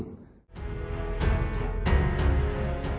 empat perangkat kali kangkung